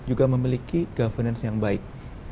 juga memiliki governance yang baik